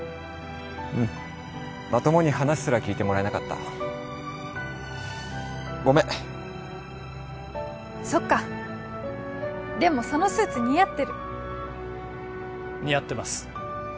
うんまともに話すら聞いてもらえなかったごめんそっかでもそのスーツ似合ってる似合ってます